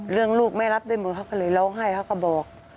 เรื่องลูกแม่รับได้หมดเขาก็เลยเล่าให้เขาก็บอก